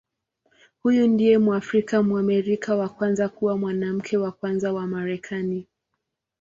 Huyu ndiye Mwafrika-Mwamerika wa kwanza kuwa Mwanamke wa Kwanza wa Marekani.